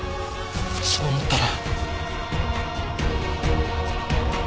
そう思ったら。